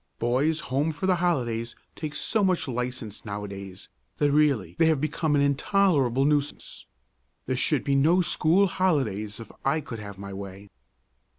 Boys home for the holidays take so much license nowadays that really they have become an intolerable nuisance. There should be no school holidays if I could have my way."